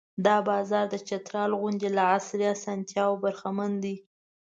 دا بازار د چترال غوندې له عصري اسانتیاوو برخمن دی.